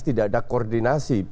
tidak ada koordinasi